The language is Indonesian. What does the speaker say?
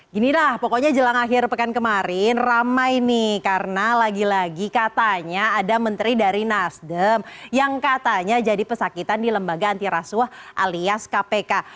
ginilah pokoknya jelang akhir pekan kemarin ramai nih karena lagi lagi katanya ada menteri dari nasdem yang katanya jadi pesakitan di lembaga antirasuah alias kpk